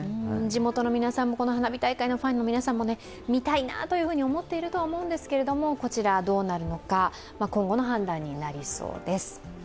地元の皆さんもこの花火大会のファンの皆さんも見たいなと思っているとは思うんですけどこちら、どうなるのか、今後の判断になりそうです。